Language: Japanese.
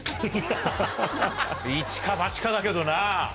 イチかバチかだけどな。